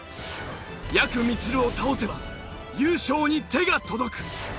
やくみつるを倒せば優勝に手が届く。